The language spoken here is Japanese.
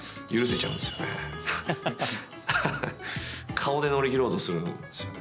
顔で乗り切ろうとするんですよね